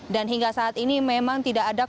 dan hingga saat ini memang tidak ada keluarga